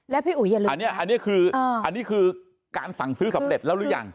แล้วพี่อุ๋อย่าลืมอันนี้อันนี้คืออันนี้คือการสั่งซื้อสำเร็จแล้วหรือยัง